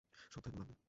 সৎ হয়ে কোনো লাভ নেই।